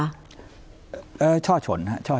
ยังชอบฉน